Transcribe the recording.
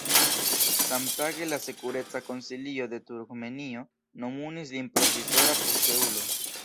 Samtage la sekureca konsilio de Turkmenio nomumis lin provizora posteulo.